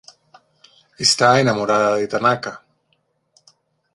Está enamorada de Tanaka.